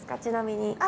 ちなみに。